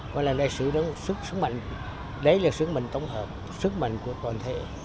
công nhân giao thông của ngành đây là sức mạnh tổng hợp sức mạnh của toàn thể